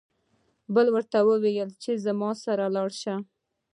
بل ورته وايي چې زما سره لاړ شه.